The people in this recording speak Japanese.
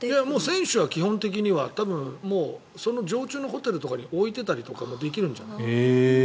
選手は基本的にはその常駐のホテルに置いてたりとかもできるんじゃないかな。